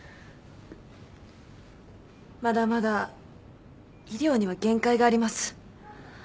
まだまだ医療には限界があります。